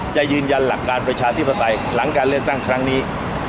จะยืนยันหลักการประชาธิปไตยหลังการเลือกตั้งครั้งนี้